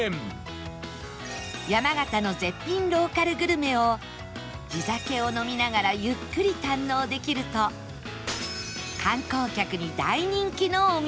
山形の絶品ローカルグルメを地酒を飲みながらゆっくり堪能できると観光客に大人気のお店